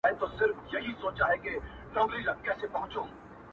هغه ورځ به در معلوم سي د درمن زړګي حالونه!.